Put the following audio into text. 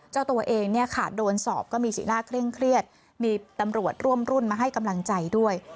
เจ้าตัวเองเนี่ยค่ะโดนสอบก็มีสีหน้าเคร่งเครียดมีตำรวจร่วมรุ่นมาให้กำลังใจด้วย